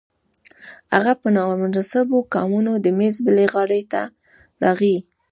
هغه په نامناسبو ګامونو د میز بلې غاړې ته راغی